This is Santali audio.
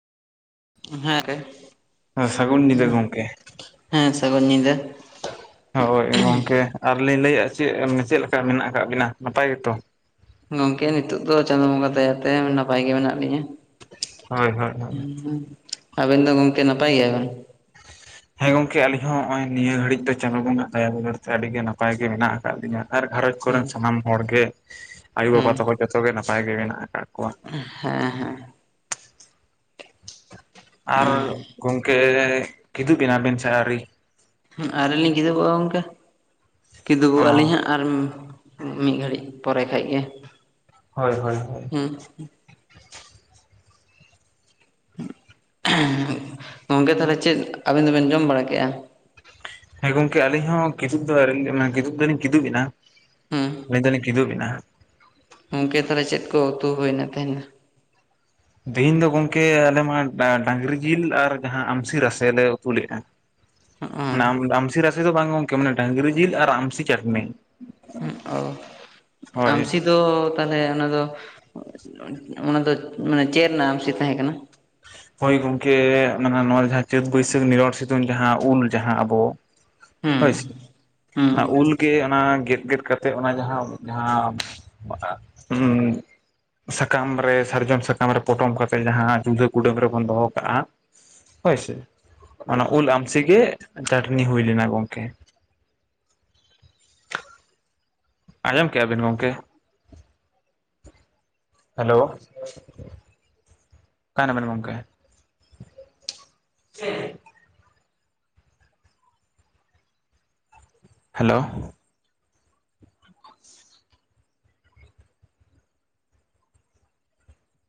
ᱦᱮᱸ ᱜᱚᱝᱠᱮ, ᱥᱟᱹᱜᱩᱱ ᱧᱤᱫᱟᱹ ᱜᱚᱢᱠᱮ ᱦᱮᱸ ᱥᱟᱹᱜᱱ ᱧᱤᱫᱟᱹ᱾ ᱦᱳᱭ ᱜᱚᱝᱠᱮ ᱟᱨᱞᱤᱤᱧ ᱞᱟᱹᱭᱮᱫ ᱟ ᱪᱮᱫ ᱪᱮᱫ ᱞᱮᱠᱟ ᱢᱮᱱᱟᱜ ᱠᱟᱫ ᱵᱤᱱᱟ ᱱᱟᱯᱟᱭ ᱜᱮᱛᱚ? ᱜᱚᱝᱠᱮ ᱱᱤᱛᱚᱜ ᱫᱚ ᱪᱟᱸᱫᱚ ᱵᱚᱸᱜᱟ ᱫᱟᱭᱟᱛᱮ ᱱᱟᱯᱟᱭ ᱜᱮ ᱢᱮᱱᱟᱜ ᱞᱤᱧᱟᱹ᱾ ᱦᱳᱭ ᱦᱳᱭ ᱦᱳᱭ ᱦᱩᱸ ᱟᱵᱮᱱ ᱫᱚ ᱜᱚᱢᱠᱮ ᱱᱟᱯᱟᱭ ᱜᱮᱭᱟ ᱵᱤᱱ? [inaudible] ᱦᱮᱸ ᱜᱚᱝᱠᱮ ᱟᱞᱤᱧ ᱦᱚᱸ ᱱᱚᱸᱜᱼᱚᱭ ᱱᱤᱭᱟᱹ ᱜᱷᱟᱹᱲᱤᱡ ᱫᱚ ᱪᱟᱸᱫᱩ ᱵᱚᱸᱜᱟ ᱫᱟᱭᱟ ᱫᱩᱞᱟᱹᱲ ᱛᱮ ᱟᱹᱰᱤ ᱜᱮ ᱱᱟᱯᱟᱭ ᱜᱮ ᱢᱮᱱᱟᱜ ᱠᱟᱫ ᱞᱤᱧᱟᱹ᱾ ᱟᱨ ᱜᱷᱟᱨᱚᱸᱡᱽ ᱦᱮᱸ ᱠᱚᱨᱮᱱ ᱥᱟᱱᱟᱢ ᱦᱚᱲ ᱜᱮ ᱟᱭᱳᱵᱟᱵᱟ ᱛᱟᱠᱚ ᱡᱚᱛᱚ ᱜᱮ ᱱᱟᱯᱟᱭ ᱜᱮ ᱢᱮᱱᱟᱜ ᱠᱟᱫ ᱠᱚᱣᱟ᱾ ᱩᱸ ᱦᱮᱸ ᱦᱮᱸ᱾ ᱟᱨ ᱜᱚᱢᱠᱮ ᱠᱤᱫᱩᱵ ᱮᱱᱟᱵᱤᱱ ᱥᱮ ᱟᱹᱣᱨᱤ? ᱦᱮᱸ ᱟᱣᱨᱤᱞᱤᱧ ᱠᱤᱫᱩᱜᱚᱜᱼᱟ ᱜᱚᱝᱠᱮ ᱚ ᱠᱤᱫᱩᱜᱚᱜ ᱟᱹᱞᱤᱧ ᱦᱟᱸᱜ᱾ ᱟᱨ ᱢᱤᱫ ᱜᱷᱟᱹᱲᱤᱡ ᱯᱚᱨᱮ ᱠᱷᱟᱡ ᱜᱮ᱾ ᱦᱳᱭ ᱦᱳᱭ ᱦᱳᱭ᱾ ᱦᱩᱸᱜ ᱦᱩᱸ᱾ ᱜᱚᱝᱠᱮ ᱛᱟᱦᱚᱞᱮ ᱪᱮᱫ ᱟᱵᱮᱱ ᱫᱚᱵᱮᱱ ᱡᱚᱢ ᱵᱟᱲᱟ ᱠᱮᱫᱼᱟ? ᱦᱮᱸ ᱜᱚᱝᱠᱮ ᱟᱹᱞᱤᱧ ᱦᱚᱸ ᱠᱤᱫᱤᱜ ᱫᱚ ᱟᱣᱨᱤ ᱞᱤᱧ ᱢᱟᱱᱮ ᱠᱤᱩᱵ ᱫᱚᱞᱤᱧ ᱠᱤᱫᱩᱵ ᱮᱱᱟ ᱦᱮᱸ ᱢᱤᱫᱫᱷᱟᱣ ᱞᱤᱧ ᱠᱤᱫᱩᱵ ᱮᱱᱟ᱾ ᱜᱚᱢᱠᱮ ᱛᱟᱦᱚᱞᱮ ᱪᱮᱫ ᱠᱚ ᱩᱛᱩ ᱦᱩᱭᱱᱟ ᱛᱮᱦᱮᱧ ᱫᱚ? ᱛᱤᱦᱤᱧ ᱫᱚ ᱜᱚᱢᱠᱮ ᱟᱞᱮᱢᱟ ᱰᱟ ᱰᱟᱝᱨᱤ ᱡᱤᱞ ᱟᱨ ᱡᱟᱦᱟᱸ ᱟᱢᱥᱤ ᱨᱟᱥᱮ ᱞᱮ ᱩᱛᱩ ᱞᱮᱜᱼᱟ᱾ ᱢᱟᱱᱮ ᱟᱢ ᱟᱢᱥᱤ ᱨᱟᱥᱮ ᱫᱚ ᱵᱟᱝ ᱜᱚᱢᱠᱮ ᱢᱟᱱᱮ ᱰᱟᱝᱨᱤ ᱡᱤᱞ ᱟᱨ ᱟᱢᱥᱤ ᱪᱟᱴᱱᱤ᱾ ᱦᱩᱸᱜ ᱚ ᱦᱳᱭ ᱟᱢᱥᱤ ᱫᱚ ᱛᱟᱦᱚᱞᱮ ᱚᱱᱟ ᱫᱚ ᱚᱱᱟ ᱫᱚ ᱢᱟᱱᱮ ᱪᱮᱫ ᱨᱮᱱᱟᱜ ᱟᱢᱥᱤ ᱛᱟᱦᱮᱸ ᱠᱟᱱᱟ? ᱦᱳᱭ ᱜᱚᱢᱠᱮ ᱢᱟᱱᱮ ᱱᱚᱣᱟ ᱡᱟᱦᱟᱸ ᱪᱟᱹᱛ ᱵᱟᱹᱭᱥᱟᱹᱠᱷ ᱱᱤᱨᱚᱲ ᱥᱤᱛᱩᱝ ᱡᱟᱦᱟᱸ ᱩᱞ ᱡᱟᱦᱟᱸ ᱟᱵᱚ ᱦᱮᱸ ᱦᱳᱭ ᱥᱮ ᱚᱱᱟ ᱦᱩᱸ ᱩᱞ ᱜᱮ ᱚᱱᱟ ᱜᱮᱫ ᱜᱮᱫ ᱠᱟᱛᱮᱜ ᱚᱱᱟ ᱡᱟᱦᱟᱸ ᱡᱟᱦᱟᱸ ᱩᱸ ᱥᱟᱠᱟᱢ ᱨᱮ ᱥᱟᱨᱡᱚᱢ ᱥᱟᱠᱟᱢ ᱨᱮ ᱯᱚᱴᱚᱢ ᱠᱟᱛᱮᱫ ᱡᱟᱦᱟᱸ ᱡᱩᱫᱟᱹ ᱠᱩᱰᱟᱹᱢ ᱨᱮᱵᱚᱱ ᱫᱚᱦᱚ ᱠᱟᱜᱼᱟ, ᱦᱳᱭᱥᱮ ᱚᱱᱟ ᱩᱞ ᱟᱢᱥᱤ ᱜᱮ ᱪᱟᱹᱴᱱᱤ ᱦᱩᱭ ᱞᱮᱱᱟ ᱜᱚᱝᱠᱮ᱾ ᱟᱸᱡᱚᱢ ᱠᱮᱭᱟ ᱵᱤᱱ ᱜᱚᱝᱠᱮ? ᱦᱮᱞᱳ ᱚᱠᱟᱭ ᱱᱟᱵᱮᱱ ᱜᱚᱝᱠᱮ? ᱦᱮᱞᱳ